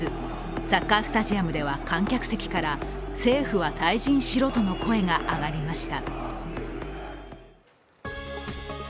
サッカースタジアムでは観客席から政府は退陣しろとの声が上がりました。